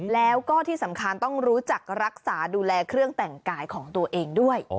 แล้วก็ที่สำคัญว่ารักษาดูแลเครื่องแต่งกายของตัวเอง